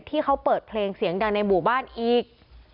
ที่เขาเปิดเพลงเสียงดังในหมู่บ้านอีก